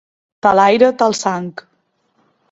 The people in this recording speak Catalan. Tal aire, tal sang.